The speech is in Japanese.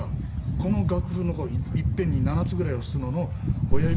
この楽譜のいっぺんに７つぐらい押すのの親指